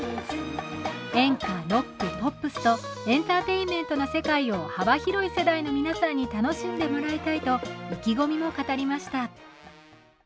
演歌、ロック、ポップスとエンターテインメントな世界を幅広い世代の皆さんに楽しんでもらいたいと、意気込みも語りました。